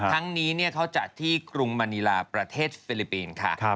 ทั้งนี้เนี่ยเขาจัดที่กรุงมะนิลาประเทศฟิลิปปีนค่ะ